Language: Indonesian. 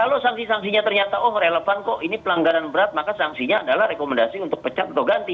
kalau sanksi sanksinya ternyata oh relevan kok ini pelanggaran berat maka sanksinya adalah rekomendasi untuk pecat atau ganti